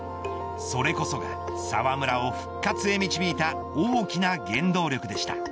それこそが澤村を復活へ導いた大きな原動力でした。